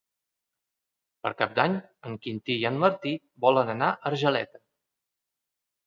Per Cap d'Any en Quintí i en Martí volen anar a Argeleta.